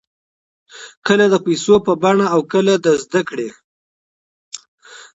کله د پیسو په بڼه او کله د زده کړې.